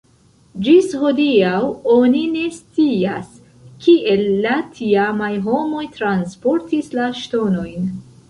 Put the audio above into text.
Ĝis hodiaŭ oni ne scias, kiel la tiamaj homoj transportis la ŝtonojn.